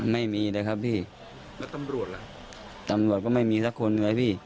ไม่มีเลยครับพี่แล้วตำรวจล่ะตำรวจก็ไม่มีสักคนไงพี่